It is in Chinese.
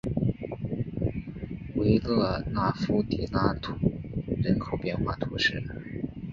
维勒纳夫迪拉图人口变化图示